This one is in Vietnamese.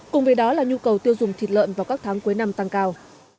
cùng với đó là nhu cầu tiêu dùng thịt lợn vào các tháng cuối năm tăng cao